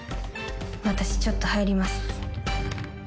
私ちょっと入ります。